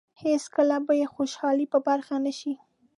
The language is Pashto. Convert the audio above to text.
هېڅکله به یې خوشالۍ په برخه نه شي.